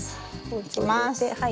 いきます。